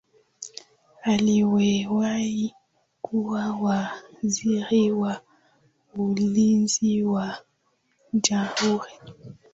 aliyewahi kuwa waziri wa ulinzi wa jamhuri